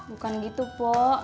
bukan gitu pok